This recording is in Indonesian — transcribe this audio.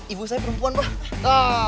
ibu saya perempuan pak